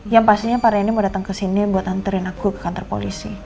yang pastinya pak reni mau datang ke sini buat anterin aku ke kantor polisi